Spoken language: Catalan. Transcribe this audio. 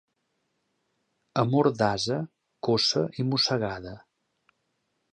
Amor d'ase, coça i mossegada.